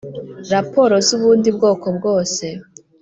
raporo z ubundi bwoko bwose